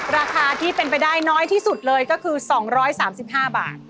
ราคาที่เป็นไปได้น้อยที่สุดเลยก็คือ๒๓๕บาท